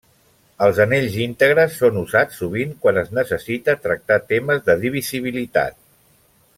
Els anells íntegres són usats sovint quan es necessita tractar temes de divisibilitat.